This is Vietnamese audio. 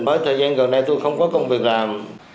bởi thời gian gần đây tôi không có công việc làm